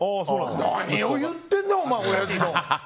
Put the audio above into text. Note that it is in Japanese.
何を言ってんだ、お前、おやじの。